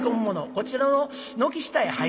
こちらの軒下へ入る者。